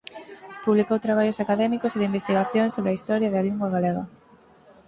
Publicou traballos académicos e de investigación sobre a historia da lingua galega.